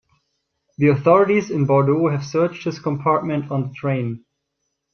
The authorities in Bordeaux have searched his compartment on the train.